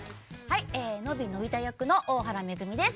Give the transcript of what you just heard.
野比のび太役の大原めぐみです。